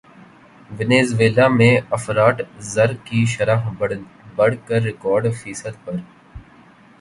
Venezuela میں افراط زر کی شرح بڑھ کر ریکارڈ فیصد پر